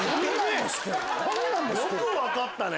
よく分かったね。